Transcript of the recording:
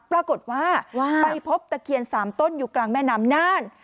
ปรากฏว่าไปพบตะเคียน๓ต้นอยู่กลางแม่น้ำน่าน